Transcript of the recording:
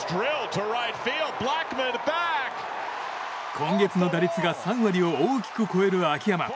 今月の打率が３割を大きく超える秋山。